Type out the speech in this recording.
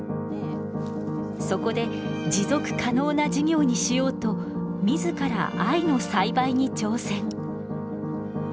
そこで持続可能な事業にしようと自ら藍の栽培に挑戦。